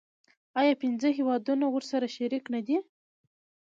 آیا پنځه هیوادونه ورسره شریک نه دي؟